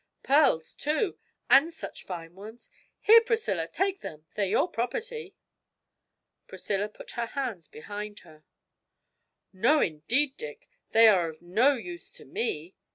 Pearls, too, and such fine ones! Here, Priscilla, take them; they're your property.' Priscilla put her hands behind her: 'No, indeed, Dick, they are of no use to me.